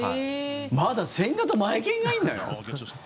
まだ千賀とマエケンがいんのよ？